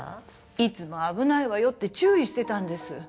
いつも危ないわよって注意してたんです。